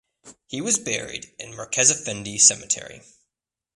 He was buried in Merkezefendi Cemetery.